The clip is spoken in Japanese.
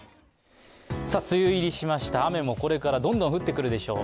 梅雨入りしました雨もこれからどんどん降ってくるでしょう